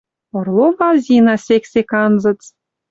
Орлова Зина сек-сек анзыц, —